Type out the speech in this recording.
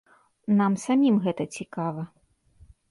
Нам самім гэта цікава.